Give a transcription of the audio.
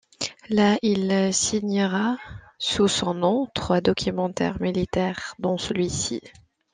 Là, il signera, sous son nom, trois documentaires militaires dont celui-ci.